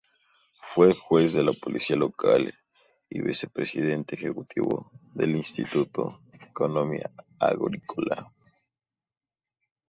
Fue Juez de Policía Local y vicepresidente ejecutivo del Instituto de Economía Agrícola.